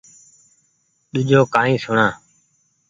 ۮوجو ڪوئي سوڻآ